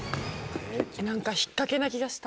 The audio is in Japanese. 何か引っかけな気がした。